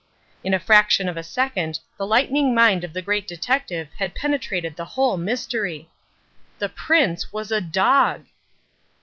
In a fraction of a second the lightning mind of the Great Detective had penetrated the whole mystery. THE PRINCE WAS A DOG!!!!